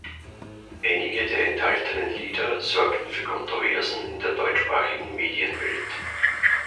Einige der enthaltenen Lieder sorgten für Kontroversen in der deutschsprachigen Medienwelt.